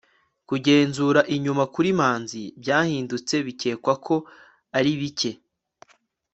kugenzura inyuma kuri manzi byahindutse bikekwa ko ari bike